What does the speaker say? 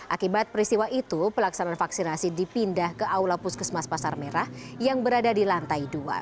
akibat peristiwa itu pelaksanaan vaksinasi dipindah ke aula puskesmas pasar merah yang berada di lantai dua